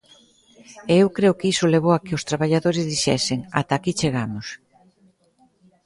E eu creo que iso levou a que os traballadores dixesen: ata aquí chegamos.